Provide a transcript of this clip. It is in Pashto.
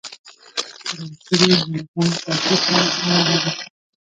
دا کلي له افغان کلتور سره تړاو لري.